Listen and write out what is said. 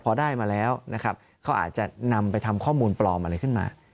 พอได้มาแล้วนะครับเขาอาจจะนำไปทำข้อมูลปลอมอะไรขึ้นมา